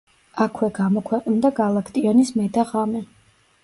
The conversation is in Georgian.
აქვე გამოქვეყნდა გალაკტიონის მე და ღამე.